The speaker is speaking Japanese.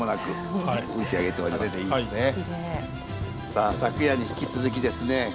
さあ昨夜に引き続きですね